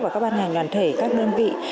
và các ban nhà ngàn thể các đơn vị